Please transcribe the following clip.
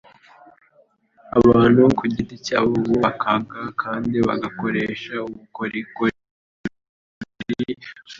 abantu ku giti cyabo bubakaga kandi bagakoresha ubukorikori buto ubwabo